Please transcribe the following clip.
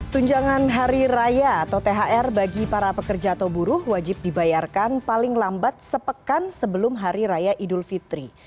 tunjangan hari raya atau thr bagi para pekerja atau buruh wajib dibayarkan paling lambat sepekan sebelum hari raya idul fitri